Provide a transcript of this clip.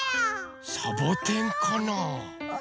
サボテンかな？